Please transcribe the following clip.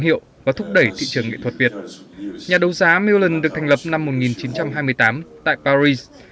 hiệu và thúc đẩy thị trường nghệ thuật việt nhà đấu giá milan được thành lập năm một nghìn chín trăm hai mươi tám tại paris